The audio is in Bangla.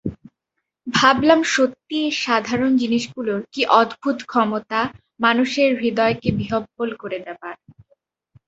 ভাবলাম, সত্যি এই সাধারণ জিনিসগুলোর কী অদ্ভূত ক্ষমতা মানুষের হৃদয়কে বিহবল করে দেবার।